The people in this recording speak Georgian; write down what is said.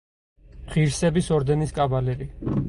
ღირსების ორდენის კავალერი.